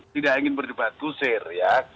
tidak ingin berdebat kusir ya